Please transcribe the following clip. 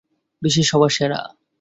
বিশ্বের সবার সেরা।